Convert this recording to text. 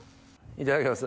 いただきます。